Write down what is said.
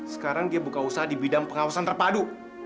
sekarang dia buka usaha di bidang pengawasan terpadu